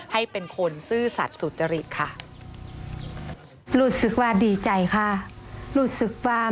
ให้เป็นคนซื่อสัตว์สุดจริงค่ะ